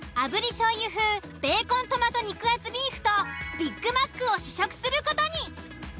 醤油風ベーコントマト肉厚ビーフとビッグマックを試食する事に。